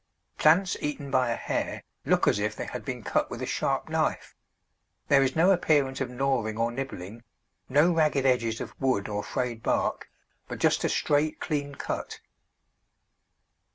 Plants eaten by a hare look as if they had been cut with a sharp knife; there is no appearance of gnawing or nibbling, no ragged edges of wood or frayed bark, but just a straight clean cut.